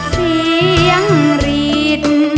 เสียงรีด